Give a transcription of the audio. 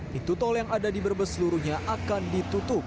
pintu tol yang ada di brebes seluruhnya akan ditutup